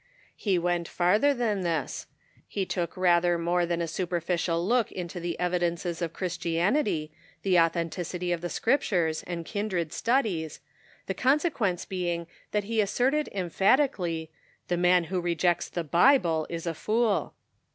He went farther than this, he took rather more than a superficial look into the evidences of Christianity, the authenticity of the Scriptures, arid kindred studies, the con sequence being that he asserted emphatically, " the man who rejects the Bible is a fool